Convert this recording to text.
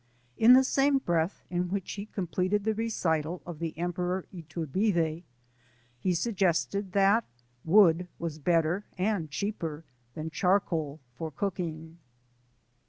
In the same breath in which he completed the recital of the Emperor Iturbide, he suggested that wood was better and cheaper than charcoal for cooking.